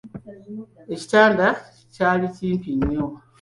Ekitanda kyali kimpi nnyo.